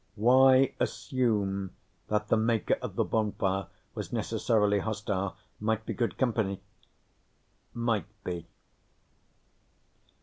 Why assume that the maker of the bonfire was necessarily hostile? Might be good company. Might be....